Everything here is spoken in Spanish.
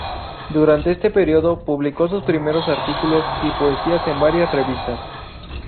Durante este periodo, publicó sus primeros artículos y poesías en varias revistas.